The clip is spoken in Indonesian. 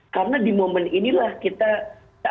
karena di momen inilah kita